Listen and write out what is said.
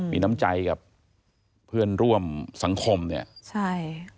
มีน้ำใจกับเพื่อนร่วมสังคมเนี่ยใช่